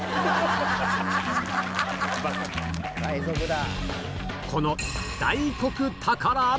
海賊だ。